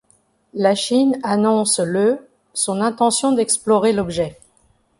La Chine annonce le son intention d'explorer l'objet.